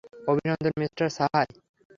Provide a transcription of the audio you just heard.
অভিনন্দন, মিস্টার সাহায়।